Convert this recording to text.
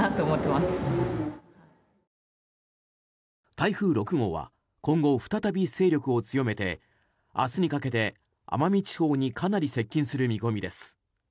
台風６号は今後、再び勢力を強めて明日にかけて奄美地方にかなり接近する見込みです。